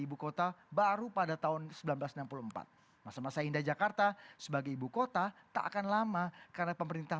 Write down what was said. ibu kota baru pada tahun seribu sembilan ratus enam puluh empat masa masa indah jakarta sebagai ibu kota tak akan lama karena pemerintah